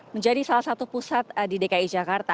menjadi salah satu pusat di dki jakarta